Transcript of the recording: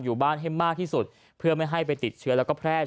อยู่บ้านให้มากที่สุดเพื่อไม่ให้ไปติดเชื้อแล้วก็แพร่